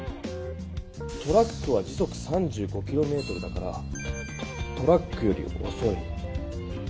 トラックは時速３５キロメートルだからトラックよりおそい。